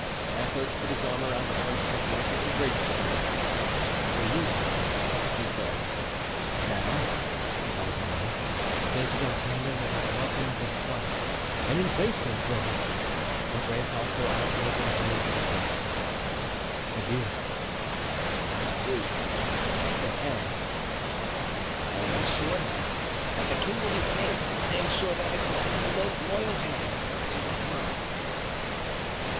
Athos put his arm around Aramis's neck and embraced him. "For you," he said. "Now if I die, say to D'Artagnan that I love him as a son, and embrace him for me. Embrace also our good and brave Porthos. Adieu." "Adieu," said Aramis. "I am as sure now that the king will be saved as I am sure that I clasp the most loyal hand in the world."